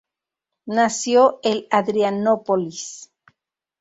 Nació el Adrianópolis.